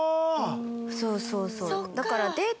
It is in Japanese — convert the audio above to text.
そうそうそう。